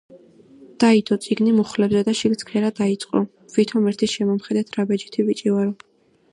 დაიდო წიგნი მუხლებზე და შიგ ცქერა დიწყო, ვითომ ერთი შემომხედეთ, რა ბეჯითი ბიჭი ვარო.